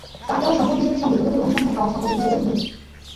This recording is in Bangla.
তাঁর দেওয়া সম্পদ হিসাবের সঙ্গে দুদকের অনুসন্ধানে পাওয়া সম্পদের হিসাবের মিল নেই।